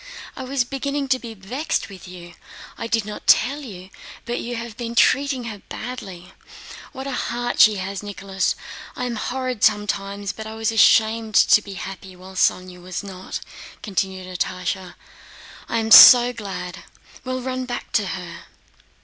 I was beginning to be vexed with you. I did not tell you, but you have been treating her badly. What a heart she has, Nicholas! I am horrid sometimes, but I was ashamed to be happy while Sónya was not," continued Natásha. "Now I am so glad! Well, run back to her."